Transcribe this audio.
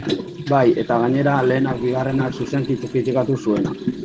Bai, eta gainera, lehenak bigarrena zuzenki kritikatu zuena.